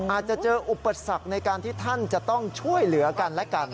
อาจจะเจออุปสรรคในการที่ท่านจะต้องช่วยเหลือกันและกัน